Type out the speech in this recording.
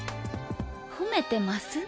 ほめてます？